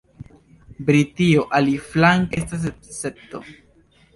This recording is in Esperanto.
Britio, aliflanke, estas escepto.